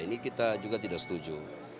ini kita juga tidak setuju